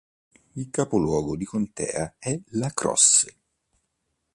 Il capoluogo di contea è La Crosse.